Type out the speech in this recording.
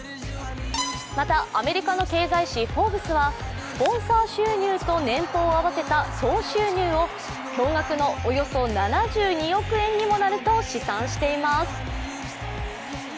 また、アメリカの経済誌「フォーブス」はスポンサー収入と年俸を合わせた総収入を驚がくのおよそ７２億円にもなると試算しています。